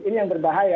ini yang berbahaya